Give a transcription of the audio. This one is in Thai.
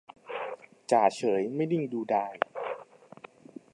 จ่าเฉยไม่นิ่งดูดาย